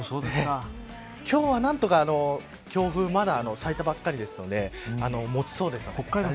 今日は何とか強風、まだ咲いたばかりですのでもちそうです。